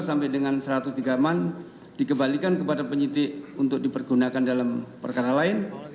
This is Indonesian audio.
sampai dengan satu ratus tiga man dikembalikan kepada penyidik untuk dipergunakan dalam perkara lain